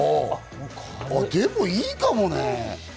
でも、いいかもね。